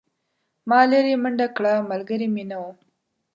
ما لیرې منډه کړه ملګری مې نه و.